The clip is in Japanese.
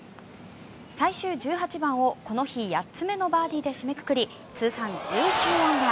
最終１８番をこの日８つ目のバーディーで締めくくり通算１９アンダー。